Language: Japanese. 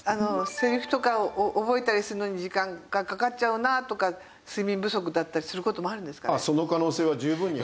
セリフとかを覚えたりするのに時間がかかっちゃうなとか睡眠不足だったりする事もあるんですかね？